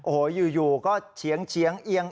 โอ้โหอยู่ก็เฉียงเอียง